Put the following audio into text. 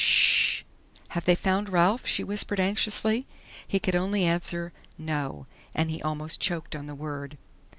"Sh h h! Have they found Ralph?" she whispered anxiously. He could only answer "No," and he almost choked on the word.